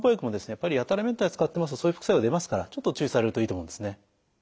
やっぱりやたらめったら使ってますとそういう副作用が出ますからちょっと注意されるといいと思うんですね。